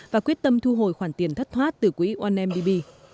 và quyết tâm thu hồi khoản tiền thất thoát từ quỹ ondb